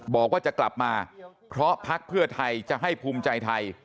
บอกว่าจะกลับมาเพราะพักเพื่อไทยจะให้ภูมิใจไทย